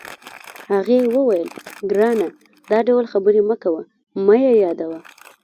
هغې وویل: ګرانه، دا ډول خبرې مه کوه، مه یې یادوه.